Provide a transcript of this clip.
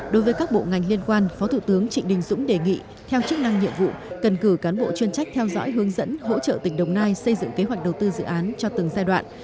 đối với các bộ ngành liên quan phó thủ tướng trịnh đình dũng đề nghị theo chức năng nhiệm vụ cần cử cán bộ chuyên trách theo dõi hướng dẫn hỗ trợ tỉnh đồng nai xây dựng kế hoạch đầu tư dự án cho từng giai đoạn